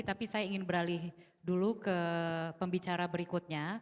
tapi saya ingin beralih dulu ke pembicara berikutnya